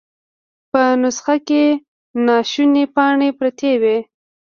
په نسخه کې نښانۍ پاڼې پرتې وې.